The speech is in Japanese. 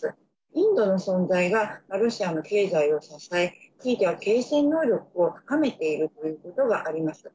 インドの存在が、ロシアの経済を支え、ひいては継戦能力を高めているということがあります。